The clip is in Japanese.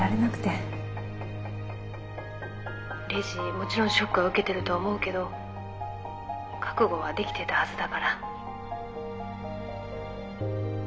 もちろんショックは受けてると思うけど覚悟はできてたはずだから。